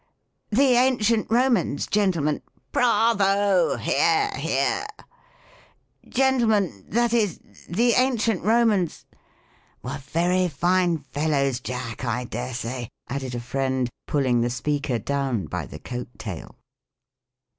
— "The Ancient Romans, Gentlemen," — (Bravo! hear! hear!) — "Gentlemen — that is — the An cient Romans" — "were very fine fellows. Jack, 1 dare say," added a friend, pulling the speaker down by the coat tail.